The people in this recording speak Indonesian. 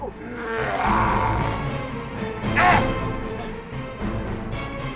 jadi itu ular ular asli